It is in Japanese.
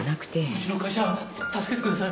うちの会社助けてください。